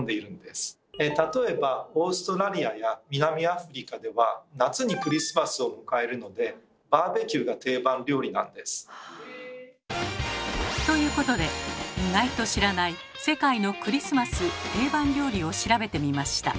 例えばオーストラリアや南アフリカでは夏にクリスマスを迎えるのでバーベキューが定番料理なんです。ということで意外と知らない世界のクリスマス定番料理を調べてみました。